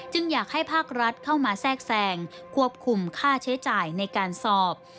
อยากให้ภาครัฐเข้ามาแทรกแซงควบคุมค่าใช้จ่ายในการสอบ